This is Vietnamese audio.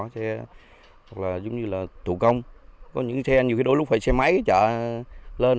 xe tù công có những xe đôi lúc phải xe máy chạy lên